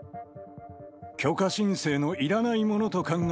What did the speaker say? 許可申請のいらないものと考え